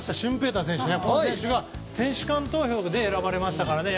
大選手が選手間投票で選ばれましたからね。